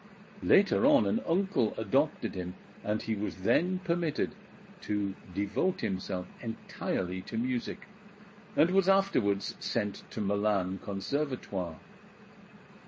Later on an uncle adopted him; and he was then permitted to devote himself entirely to music, and was afterwards sent to Milan Conservatoire.